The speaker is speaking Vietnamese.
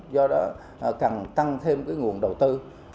do đó cần tăng thêm nguồn đầu tư